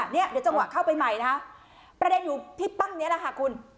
เดี๋ยวจังหวะเข้าไปใหม่นะคะประเด็นอยู่ที่ปั้งนี้แหละค่ะคุณ